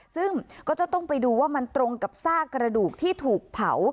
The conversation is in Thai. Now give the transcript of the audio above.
ซึ่งก็จะต้องไปดูว่ามันตรงกับซากกระดูกที่ถูกเผา